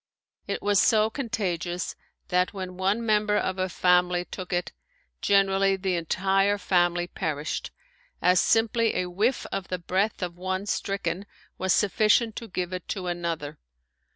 It was so contagious that when one member of a family took it, generally the entire family perished, as simply a whiff of the breath of one stricken was sufficient to give it to another.